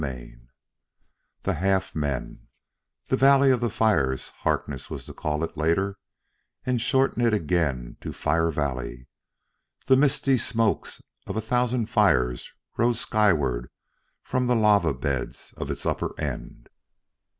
CHAPTER VIII The Half Men "The Valley of the Fires," Harkness was to call it later, and shorten it again to "Fire Valley." The misty smokes of a thousand fires rose skyward from the lava beds of its upper end.